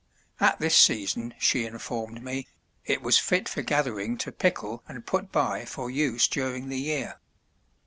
At this season, she informed me, it was fit for gathering to pickle and put by for use during the year.